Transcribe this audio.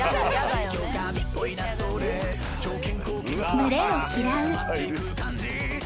［群れを嫌う］